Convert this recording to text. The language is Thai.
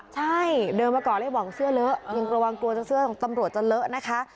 ใช่เดินมาก่อนเลยบอกเสื้อเลอะยังระวังกลัวจะเสื้อของตำรวจจะเลอะนะคะ